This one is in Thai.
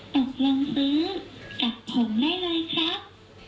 ตกลงซื้อกับผมได้เลยครับ